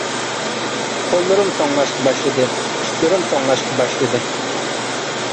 قوللىرىم توڭلاشقا باشلىدى، پۇتلىرىم توڭلاشقا باشلىدى.